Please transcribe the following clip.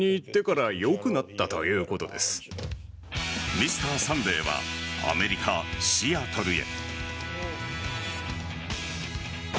「Ｍｒ．サンデー」はアメリカ・シアトルへ。